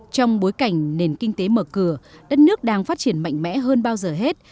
trong bối cảnh nền kinh tế mở cửa đất nước đang phát triển mạnh mẽ hơn bao giờ hết